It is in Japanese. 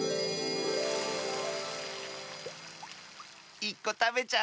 １こたべちゃう？